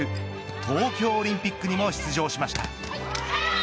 東京オリンピックにも出場しました。